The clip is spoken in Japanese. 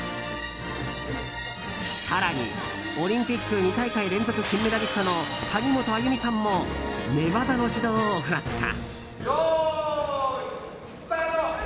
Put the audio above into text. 更にオリンピック２大会連続金メダリスト谷本歩実さんも寝技の指導を行った。